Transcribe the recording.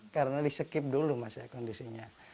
karena di skip dulu masih kondisinya